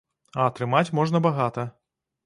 А атрымаць можна багата.